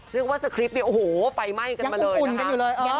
เรียกว่าสคริปต์เนี่ยโอ้โหไฟไหม้กันมาเลยยังคุ้มอุ่นกันอยู่เลย